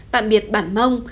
tạm biệt bản mông